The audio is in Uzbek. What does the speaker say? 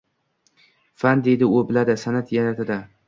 Fan, deydi u, biladi, san’at — yaratadi.